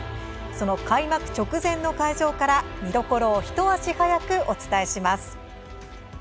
その開幕直前の会場から見どころを一足早くお伝えします。